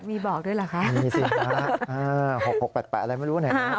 มีบอกด้วยเหรอคะมีสินะห้าหกหกแปดแปดอะไรไม่รู้นะ